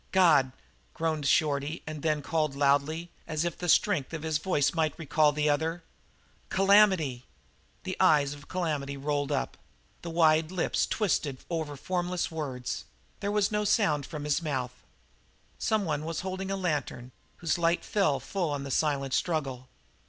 "God!" groaned Shorty, and then called loudly, as if the strength of his voice might recall the other, "Calamity!" The eyes of Calamity rolled up; the wide lips twisted over formless words; there was no sound from his mouth. Someone was holding a lantern whose light fell full on the silent struggle.